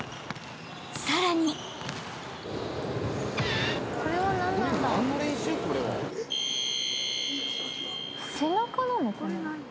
［さらに］背中なのかな？